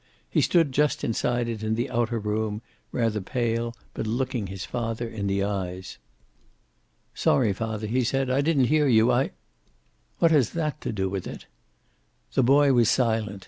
He stood just inside it in the outer room, rather pale, but looking his father in the eyes. "Sorry, father," he said. "I didn't hear you. I " "What has that to do with it?" The boy was silent.